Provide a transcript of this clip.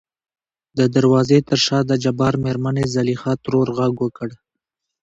د دروازې تر شا دجبار مېرمنې زليخا ترور غږ وکړ .